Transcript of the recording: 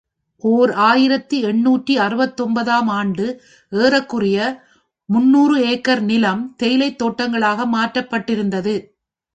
ஓர் ஆயிரத்து எண்ணூற்று அறுபத்தொன்பது ஆம் ஆண்டு ஏறக்குறைய முன்னூறு ஏகர் நிலம் தேயிலைத் தோட்டங்களாக மாற்றப்பட்டிருந்தது.